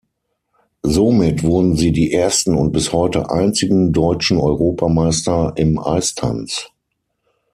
Somit wurden sie die ersten und bis heute einzigen deutschen Europameister im Eistanz.